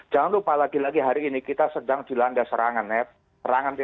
jangan lupa lagi lagi hari ini kita sedang dilanda serangan ya